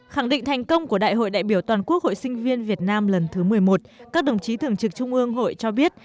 khẳng định thành công của đại hội đại biểu toàn quốc hội sinh viên việt nam lần thứ một mươi một các đồng chí thường trực trung ương hội cho biết